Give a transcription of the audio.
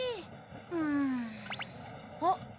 うんあっ。